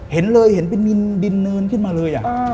เห็นเลยเห็นเป็นดินเนินขึ้นมาเลย